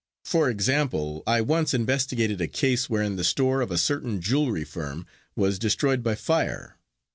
For example, I once investigated a case wherein the store of a certain jewelry firm was destroyed by fire.